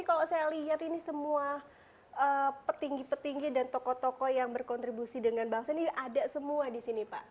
kalau saya lihat ini semua petinggi petinggi dan tokoh tokoh yang berkontribusi dengan bangsa ini ada semua di sini pak